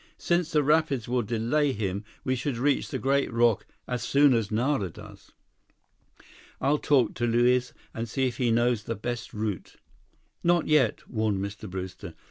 Since the rapids will delay him, we should reach the great rock as soon as Nara does." "I'll talk to Luiz and see if he knows the best route—" "Not yet!" warned Mr. Brewster.